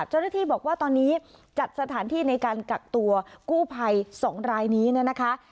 เจ้าหน้าที่บอกว่าตอนนี้จัดสถานที่ในการกักตัวกู้ภัย๒รายนี้เนี่ยนะคะ